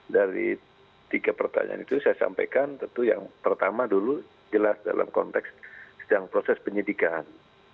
dari tiga pertanyaan itu saya sampaikan tentu yang pertama dulu jelas dalam konteks sedang proses penyidikan